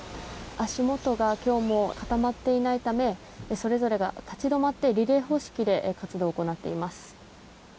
足元が今日も固まっていないためそれぞれが立ち止まってリレー方式で活動を行っています。